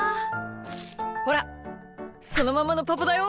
ほらそのままのパパだよ。